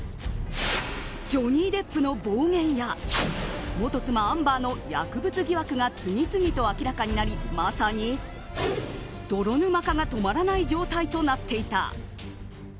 ジョニー・デップの暴言や元妻アンバーの薬物疑惑が次々と明らかになり、まさに泥沼化が止まらない状態となっていた。